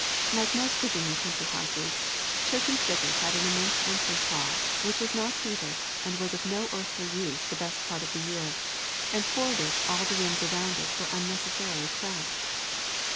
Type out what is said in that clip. Like most Virginia country houses, Turkey Thicket had an immense entrance hall, which was not heated and was of no earthly use the best part of the year, and for which all the rooms around it were unnecessarily cramped.